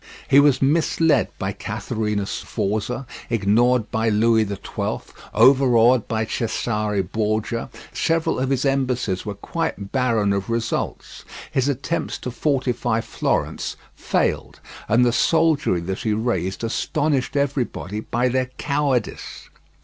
He was misled by Catherina Sforza, ignored by Louis XII, overawed by Cesare Borgia; several of his embassies were quite barren of results; his attempts to fortify Florence failed, and the soldiery that he raised astonished everybody by their cowardice.